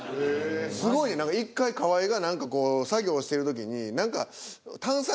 すごい１回河井が何かこう作業してる時に。